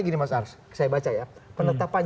gini mas ars saya baca ya penetapan